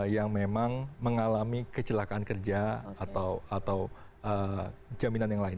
yang memang mengalami kecelakaan kerja atau jaminan yang lain